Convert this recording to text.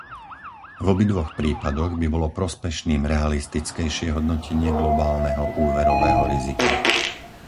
V obidvoch prípadoch by bolo prospešným realistickejšie hodnotenie globálneho úverového rizika.